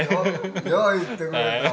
よう言ってくれた。